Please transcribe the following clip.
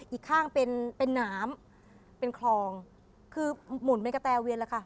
อีกข้างเป็นเป็นน้ำเป็นคลองคือหมุนเป็นกระแตเวียนแล้วค่ะ